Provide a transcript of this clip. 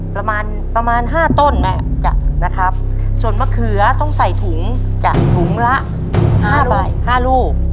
ประมาณ๕ต้นนะครับส่วนมะเขือต้องใส่ถุงถุงละ๕ลูก